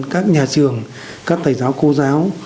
các nhà trường các thầy giáo cô giáo